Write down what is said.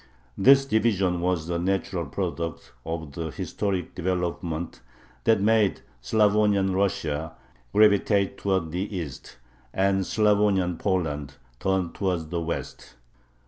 " This division was a natural product of the historic development that made Slavonian Russia gravitate towards the East, and Slavonian Poland turn towards the West.